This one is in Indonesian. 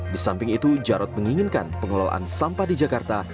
di samping itu jarod menginginkan pengelolaan sampah di jakarta